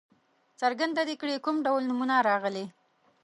څرګنده دې کړي کوم ډول نومونه راغلي.